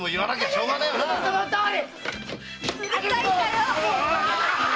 うるさいんだよ！